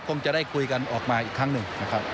คงจะได้คุยกันออกมาอีกครั้งหนึ่งนะครับ